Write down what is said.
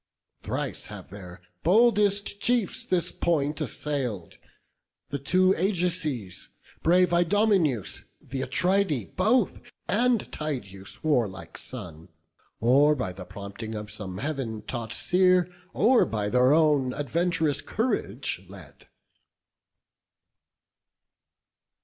Thrice have their boldest chiefs this point assail'd, The two Ajaces, brave Idomeneus, Th' Atridae both, and Tydeus' warlike son, Or by the prompting of some Heav'n taught seer, Or by their own advent'rous courage led."